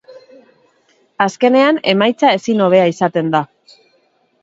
Azkenean, emaitza ezin hobea izaten da.